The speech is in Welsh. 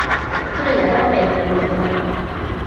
Druan â Wyn a Nia Norm.